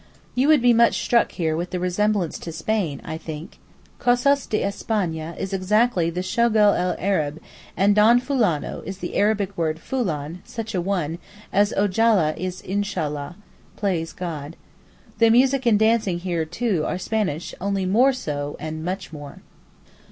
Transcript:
You would be much struck here with the resemblance to Spain, I think. 'Cosas de España' is exactly the 'Shogl el Arab,' and Don Fulano is the Arabic word foolan (such a one), as Ojala is Inshallah (please God). The music and dancing here, too, are Spanish, only 'more so' and much more.